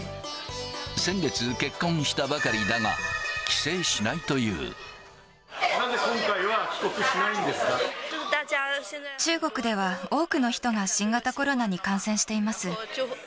先月、結婚したばかりだが、なぜ今回は、帰国しないんで中国では、多くの人が新型コロナに感染しています。